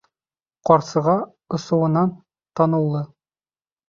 Ҡарсыға осоуынан таныулы.